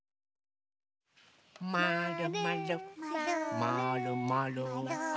まるまるまるまる。